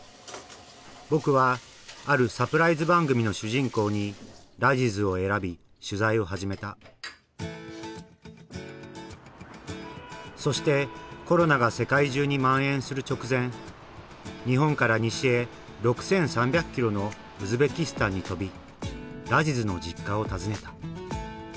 僕はあるサプライズ番組の主人公にラジズを選び取材を始めたそしてコロナが世界中にまん延する直前日本から西へ６，３００キロのウズベキスタンに飛びラジズの実家を訪ねた。